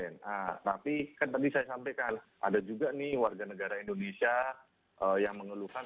ini kan kebetulan saja keluhan yang masuk terkait dengan karantina yang ada itu kan